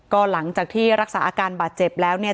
ก็หลังจากที่รักษาอาการบาดเจ็บแล้วเนี่ย